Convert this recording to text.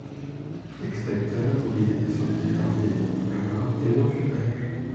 Extincteurs, robinet d’incendie armé, alarme, désenfumage.